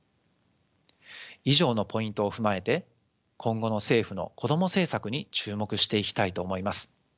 以上のポイントを踏まえて今後の政府のこども政策に注目していきたいと思います。